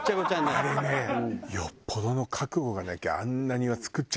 あれねよっぽどの覚悟がなきゃあんな庭造っちゃダメよ。